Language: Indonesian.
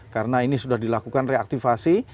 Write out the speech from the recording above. karena ini sudah dilakukan reaktivasi